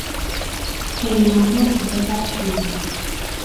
Quem ama, bem castigue.